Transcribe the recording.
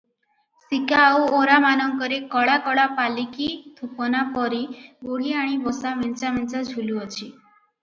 ସିକା ଆଉ ଓରାମାନଙ୍କରେ କଳା କଳା ପାଲିକି ଥୁପନାପରି ବୁଢ଼ିଆଣୀ ବସା ମେଞ୍ଚା ମେଞ୍ଚା ଝୁଲୁଅଛି ।